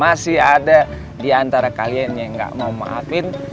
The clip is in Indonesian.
masih ada diantara kalian yang gak mau memaafin